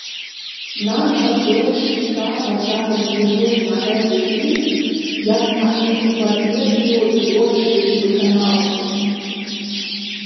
Нам жа больш цікава зараз зірнуць на гэты дыск як на энцыклапедыю творчасці выканаўцы.